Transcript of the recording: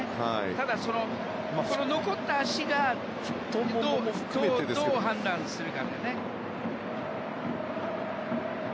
ただ、残った足がどう判断するかだよね。